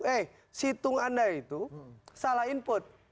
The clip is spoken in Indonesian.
eh situng anda itu salah input